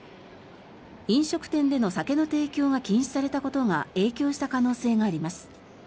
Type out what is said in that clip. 飲食店での酒の提供が禁止されたことが影響した可能性があります。